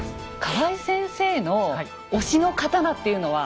河合先生の推しの刀っていうのは。